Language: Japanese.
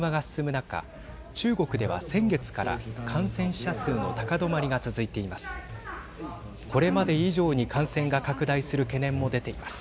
中国では先月から感染者数の高止まりが続いています。